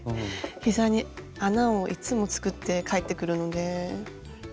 膝に穴をいつも作って帰ってくるので。